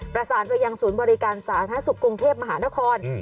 ประสานไปยังศูนย์บริการสาธารณสุขกรุงเทพมหานคร